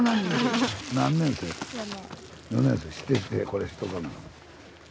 これしとかな。